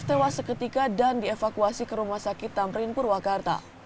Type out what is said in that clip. tewas seketika dan dievakuasi ke rumah sakit tamrin purwakarta